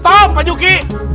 stop pak juki